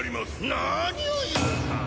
何を言うか！